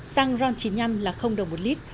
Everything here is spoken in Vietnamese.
xăng ron chín mươi năm là đồng một lít